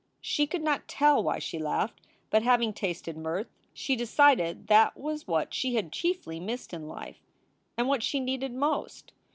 She could not tell why she laughed, but, having tasted mirth, she decided that that was what she had chiefly missed in life and what she needed most.